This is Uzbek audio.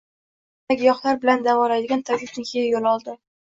Oʻylay-oʻylay giyohlar bilan davolaydigan tabibnikiga yoʻl oldi